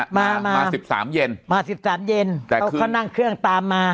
มามาสิบสามเย็นมาสิบสามเย็นแต่เขาเขานั่งเครื่องตามมา